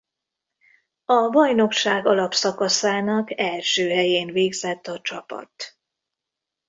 A bajnokság alapszakaszának első helyén végzett a csapat.